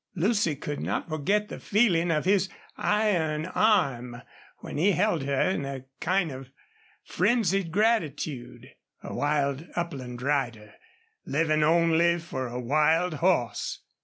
Lucy could not forget the feeling of his iron arm when he held her in a kind of frenzied gratitude. A wild upland rider, living only for a wild horse!